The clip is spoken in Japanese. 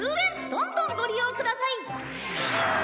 どんどんご利用ください」ヒエッ！